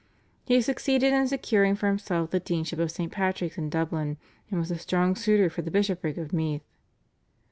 He succeeded in securing for himself the Deanship of St. Patrick's in Dublin, and was a strong suitor for the Bishopric of Meath.